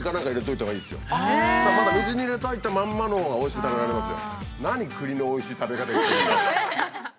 水に入れておいたまんまのほうがおいしく食べられますよ。